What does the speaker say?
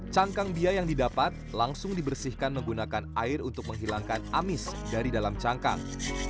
cangkang bia yang didapat langsung dibersihkan menggunakan air untuk menghilangkan amis dari dalam cangkang